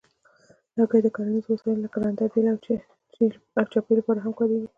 لرګي د کرنیزو وسایلو لکه رنده، بیل، او چپې لپاره هم کارېږي.